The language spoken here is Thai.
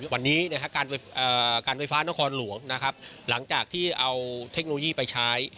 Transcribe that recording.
วันนี้การไฟฟ้านครหลวงนะครับหลังจากที่เอาเทคโนโลยีไปใช้